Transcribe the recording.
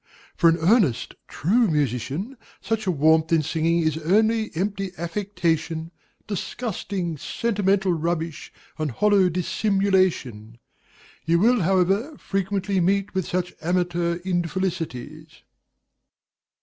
For an earnest, true musician, such a warmth in singing is only empty affectation, disgusting, sentimental rubbish, and hollow dissimulation. You will, however, frequently meet with such amateur infelicities.